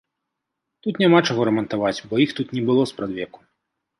Тут няма чаго рамантаваць, бо іх тут не было спрадвеку.